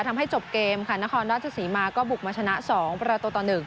ทำให้จบเกมค่ะนครราชศรีมาก็บุกมาชนะ๒ประตูต่อ๑